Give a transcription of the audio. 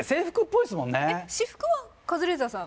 私服はカズレーザーさん